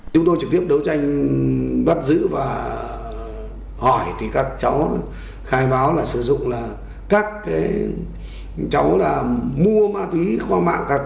chúng tôi trực tiếp đấu tranh bắt giữ và hỏi thì các cháu khai báo là sử dụng là các cháu là mua ma túy qua mạng